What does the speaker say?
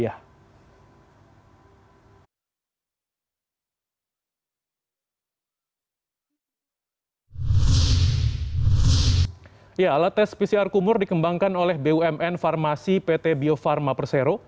alat tes pcr kumur dikembangkan oleh bumn farmasi pt bio farma persero